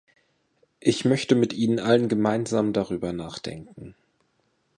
Ich möchte mit Ihnen allen gemeinsam darüber nachdenken.